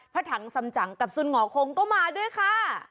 ผโธทางซำจังกับศูนย์หนอคงมาด้วยค่ะ